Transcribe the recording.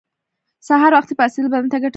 سهار وختی پاڅیدل بدن ته ګټه رسوی